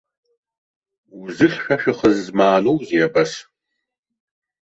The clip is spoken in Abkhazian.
Узыхьшәашәахаз змааноузеи абас?